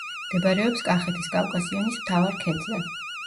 მდებარეობს კახეთის კავკასიონის მთავარ ქედზე.